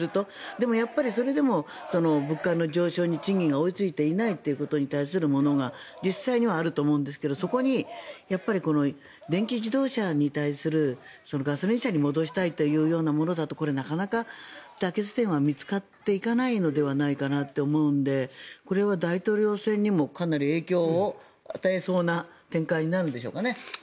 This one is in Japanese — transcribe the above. でもやっぱりそれでも物価の上昇に賃金が追いついていないということが実際にはあると思うんですがそれに、電気自動車に対するガソリン車に戻したいというようなものだとこれはなかなか妥結点は見つかっていかないのではないかと思うのでこれは大統領選にもかなり影響を与えそうな展開になるんでしょうかね。